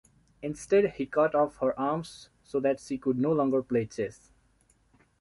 Instead he cut off her arms so that she could no longer play chess.